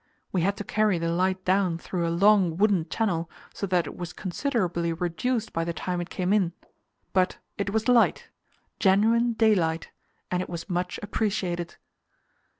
We had to carry the light down through a long wooden channel, so that it was considerably reduced by the time it came in; but it was light genuine daylight and it was much appreciated.